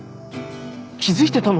気付いてたの？